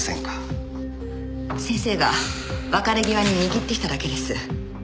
先生が別れ際に握ってきただけです。